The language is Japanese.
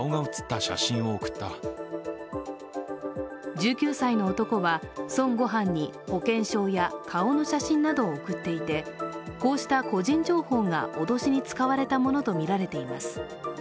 １９歳の男は、孫悟飯に保険証や顔の写真などを送っていてこうした個人情報が脅しに使われたものとみられています。